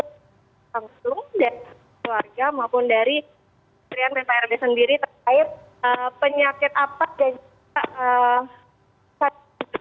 dari keluarga maupun dari pemerintah r b sendiri terkait penyakit apa yang kita